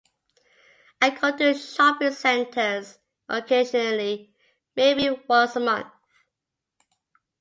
I go to shopping centres occasionally, maybe once a month.